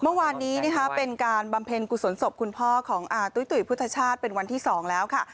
เมื่อวานนี้นะคะเป็นการบำเพ็ญกุศลศพคุณพ่อของตุ้ยตุ๋ยพุทธชาติเป็นวันที่๒แล้วค่ะ